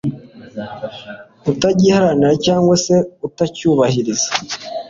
utagiharanira cyangwa se utacyubahiriza